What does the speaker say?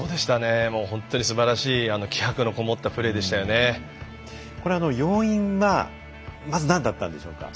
本当にすばらしい気迫のこもったプレー要因はまず何だったんでしょうか？